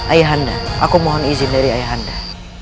ayahanda aku mohon izin dari ayahanda